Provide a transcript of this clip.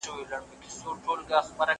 زه کولای سم نان وخورم!.